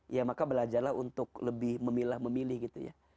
ya maka belajarlah untuk lebih memilah memilih gitu ya